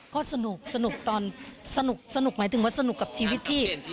ก็สนุกสนุกตอนสนุกหมายถึงว่าสนุกกับชีวิตที่